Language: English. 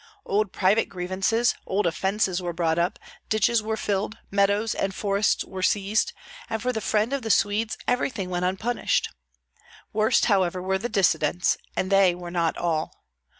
Old private grievances, old offences were brought up; ditches were filled, meadows and forests were seized, and for the friend of the Swedes everything went unpunished. Worst, however, were the dissidents; and they were not all.